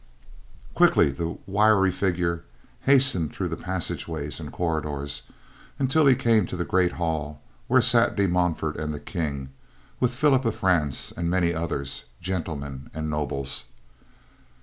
Quickly, the wiry figure hastened through the passageways and corridors, until he came to the great hall where sat De Montfort and the King, with Philip of France and many others, gentlemen and nobles.